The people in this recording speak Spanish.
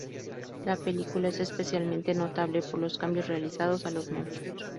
La película es especialmente notable por los cambios realizados a los monstruos.